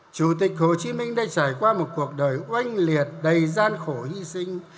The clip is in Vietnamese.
chủ tịch hồ chí minh đã trải qua một cuộc đời oanh liệt đầy gian khổ hy sinh